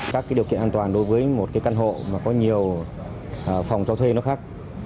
các điều kiện an toàn đối với một cái căn hộ mà có nhiều phòng cho thuê nó khác